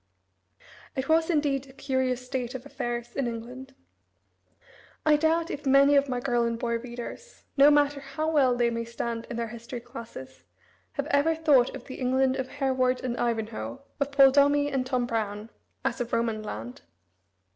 It was, indeed, a curious state of affairs in England. I doubt if many of my girl and boy readers, no matter how, well they may stand in their history classes, have ever thought of the England of Hereward and Ivanhoe, of Paul Dombey and Tom Brown, as a Roman land.